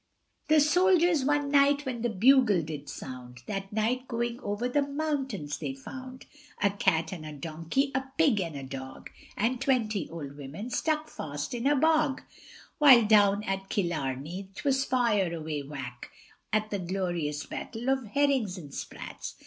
The soldiers one night when the bugle did sound, That night going over the mountains they found, A cat and a donkey, a pig and a dog, And twenty old women stuck fast in a bog; While down at Killarney, 'twas fire away whack, At the glorious battle of herrings and sprats!